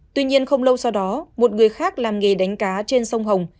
tuy nhiên không lâu sau đó một người khác làm nghề đánh cá trên sông hồng